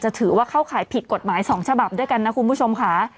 ถือว่าเข้าข่ายผิดกฎหมาย๒ฉบับด้วยกันนะคุณผู้ชมค่ะ